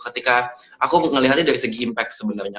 ketika aku melihatnya dari segi impact sebenarnya